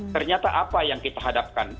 ternyata apa yang kita hadapkan